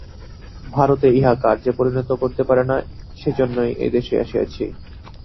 ভারতে ইহা কার্যে পরিণত করিতে পারি নাই, সেইজন্য এদেশে আসিয়াছি।